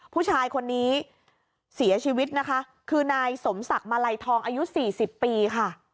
ผู้ชายคนนี้เสียชีวิตนะคะคือนายสมศักดิ์มาลัยทองอายุสี่สิบปีค่ะ